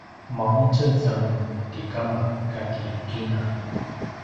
mangtjez anga ti kama kati kina